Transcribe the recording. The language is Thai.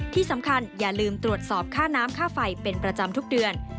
ที่สำคัญอย่าลืมตรวจสอบค่าน้ำค่าไฟเป็นประจำทุกเดือน